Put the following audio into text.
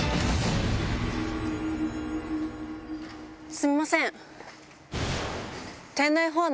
すみません。